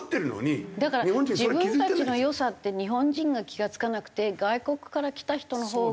だから自分たちの良さって日本人が気が付かなくて外国から来た人のほうが。